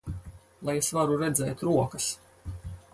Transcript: Lai es varu redzēt rokas!